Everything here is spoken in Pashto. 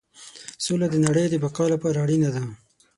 سوله د نړۍ د بقا لپاره اړینه ده.